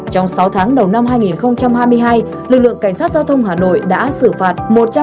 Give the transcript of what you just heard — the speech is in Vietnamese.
trong sáu tháng đầu năm hai nghìn hai mươi hai lực lượng cảnh sát giao thông hà nội đã xử phạt